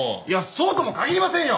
そうとも限りませんよ。